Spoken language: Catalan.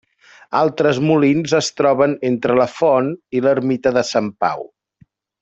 Altres molins es troben entre la font i l'ermita de Sant Pau.